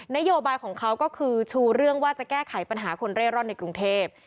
นโยบายของเขาก็คือชูเรื่องว่าจะแก้ไขปัญหาคนเร่ร่อนในกรุงเทพ